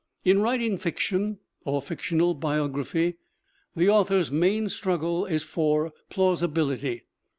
In writing fiction or fictional biography the author's main struggle is for plausibility.